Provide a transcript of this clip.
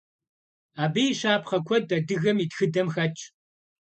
Абы и щапхъэ куэд адыгэм и тхыдэм хэтщ.